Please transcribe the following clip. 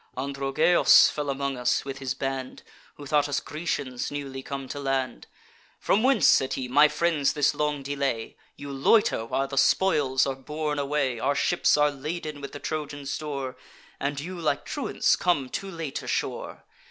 Androgeos fell among us, with his band, Who thought us Grecians newly come to land. 'From whence,' said he, 'my friends, this long delay? You loiter, while the spoils are borne away: Our ships are laden with the Trojan store; And you, like truants, come too late ashore.